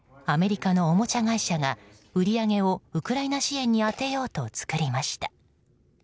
アメリカのおもちゃ会社が売り上げをウクライナ支援に充てようと作りました。